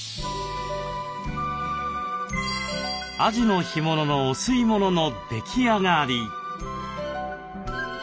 アジの干物のお吸い物の出来上がり。